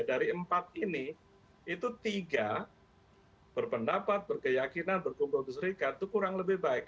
dari empat ini itu tiga berpendapat berkeyakinan berkumpul berserikat itu kurang lebih baik